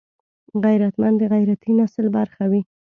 غیرتمند د غیرتي نسل برخه وي